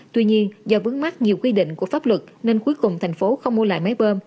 tuy nhiên do vướng mắt nhiều quy định của pháp luật nên cuối cùng thành phố không mua lại máy bơm